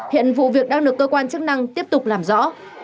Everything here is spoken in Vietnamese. hiện vụ việc đang được cơ quan chức năng tiếp tục làm rõ